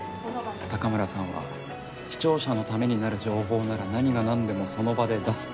高村さんは視聴者のためになる情報なら何が何でもその場で出す。